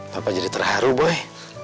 papa jadi terharu boy